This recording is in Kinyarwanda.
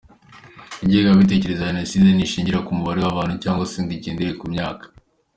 Ingengabitekerezo ya Jenoside ntishingira ku mubare w’abantu cyangwa se ngo igendere ku myaka.